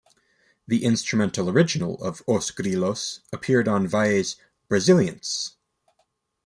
The instrumental original of "Os Grilos" appeared on Valle's "Brazilliance!